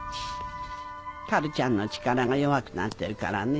カルちゃんの力が弱くなってるからね。